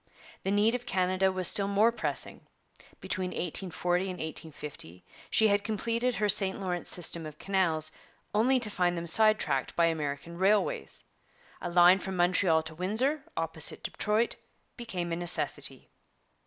The need of Canada was still more pressing; between 1840 and 1850 she had completed her St Lawrence system of canals, only to find them side tracked by American railways. A line from Montreal to Windsor, opposite Detroit, became a necessity.